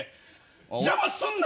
邪魔すんな！